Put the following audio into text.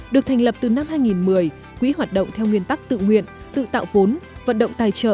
được thành lập từ năm hai nghìn một mươi quỹ hoạt động theo nguyên tắc tự nguyện tự tạo vốn vận động tài trợ